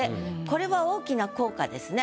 これは大きな効果ですね。